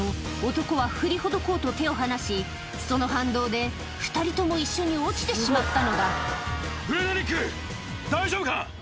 男は振りほどこうと手を離しその反動で２人とも一緒に落ちてしまったのだああ。